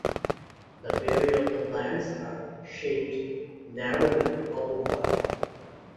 The berry of the plants are shaped narrowly obovoid.